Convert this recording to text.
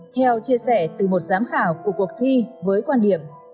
theo chia sẻ từ một giám khảo của cuộc thi với quan điểm